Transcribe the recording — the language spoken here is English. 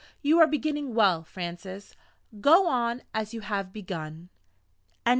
You are beginning well, Francis. Go on as you have begun." CHAPTER X.